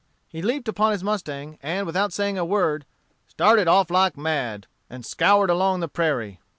He leaped upon his mustang, and without saying a word, "started off like mad," and scoured along the prairie.